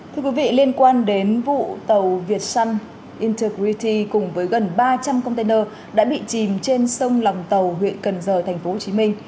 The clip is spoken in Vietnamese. thưa quý vị liên quan đến vụ tàu việt sun intergrity cùng với gần ba trăm linh container đã bị chìm trên sông lòng tàu huyện cần giờ tp hcm